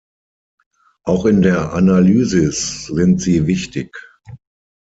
Auch in der Analysis sind sie wichtig.